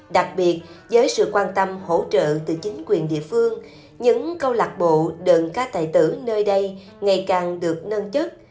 đặc biệt với sự quan tâm hỗ trợ từ chính quyền địa phương những câu lạc bộ đơn ca tài tử nơi đây ngày càng được nâng chất